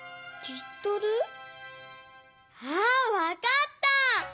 あわかった！